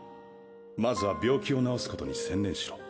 まずは病気を治すことに専念しろ。